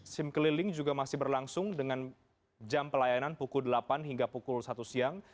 sim keliling juga masih berlangsung dengan jam pelayanan pukul delapan hingga pukul satu siang